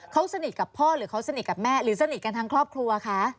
เขาสนิทกับพ่อหรือเขาสนิทกับแม่หรือสนิทกันทั้งครอบครัวคะ